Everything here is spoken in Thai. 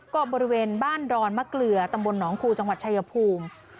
ก็บริเวณบ้านดอนมะเกลือตำบลหนองคูจังหวัดชายภูมิ